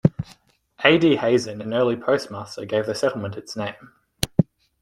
A. D. Hazen, an early postmaster, gave the settlement its name.